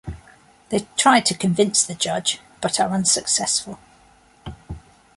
They try to convince the judge, but are unsuccessful.